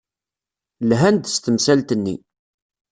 Lhan-d s temsalt-nni.